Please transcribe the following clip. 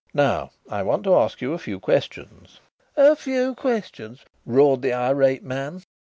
Now, I want to ask you a few questions." "A few questions!" roared the irate man.